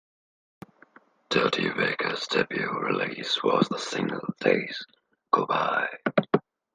Dirty Vegas' debut release was the single Days Go By.